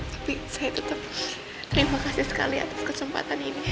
tapi saya tetap terima kasih sekali atas kesempatan ini